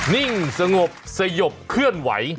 นิ่งสงบสยบเคลื่อนไหว